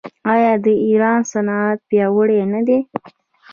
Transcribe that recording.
آیا د ایران صنعت پیاوړی نه دی؟